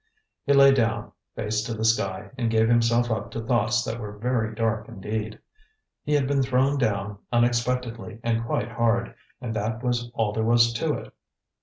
He lay down, face to the sky, and gave himself up to thoughts that were very dark indeed. He had been thrown down, unexpectedly and quite hard, and that was all there was to it.